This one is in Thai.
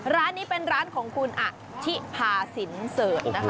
ร้านนี้เป็นร้านของคุณอธิพาสินเสิร์ชนะคะ